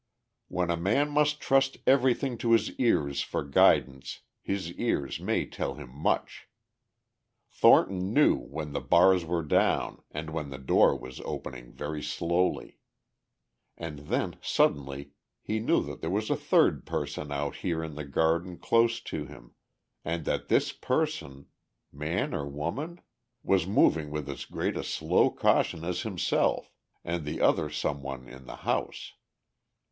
When a man must trust everything to his ears for guidance his ears may tell him much. Thornton knew when the bars were down and when the door was opening very slowly. And then, suddenly, he knew that there was a third person out here in the garden close to him, and that this person ... man or woman? ... was moving with as great a slow caution as himself and the other some one in the house.